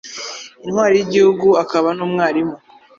intwari y’igihugu akaba n’umwarimu,